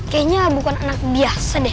kayaknya bukan anak biasa deh